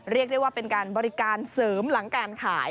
เรียกได้ว่าเป็นการบริการเสริมหลังการขาย